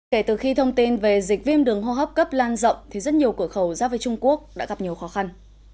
kể từ khi thông tin về dịch viêm đường hô hấp cấp lan rộng thì rất nhiều cửa khẩu ra với trung quốc đã gặp nhiều khó khăn